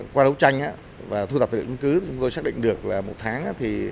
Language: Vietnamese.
qua đấu tranh và thu tập tự nhiên cứ chúng tôi xác định được là một tháng